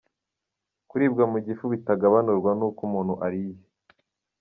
Kuribwa mu gifu bitagabanurwa n’uko umuntu ariye.